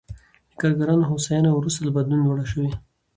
د کارګرانو هوساینه وروسته له بدلون لوړ شوې.